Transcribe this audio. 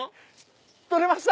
撮れました？